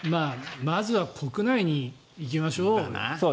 まずは国内に行きましょう。